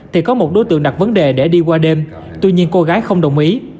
thì có một đối tượng đặt vấn đề để đi qua đêm tuy nhiên cô gái không đồng ý